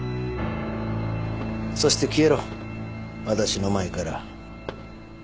そして消えろ私の前から